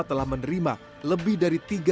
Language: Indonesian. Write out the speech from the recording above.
telah menerima lebih dari